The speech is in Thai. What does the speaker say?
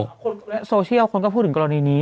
คนและโซเชียลคนก็พูดถึงกรณีนี้